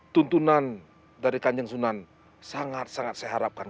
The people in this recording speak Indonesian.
tuntunan dari kanjeng sunan sangat sangat seharapkan